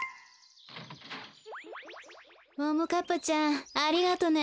ももかっぱちゃんありがとね。